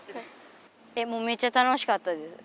えっもうめちゃ楽しかったです。